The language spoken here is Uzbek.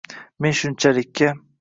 Men shunchalikka